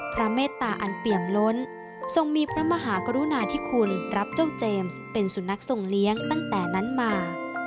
เมตตาอันเปี่ยมล้นทรงมีพระมหากรุณาธิคุณรับเจ้าเจมส์เป็นสุนัขทรงเลี้ยงตั้งแต่นั้นมา